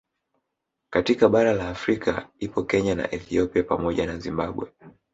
Katika bara la Afrika ipo Kenya na Ethipia pamoja na Zimbabwe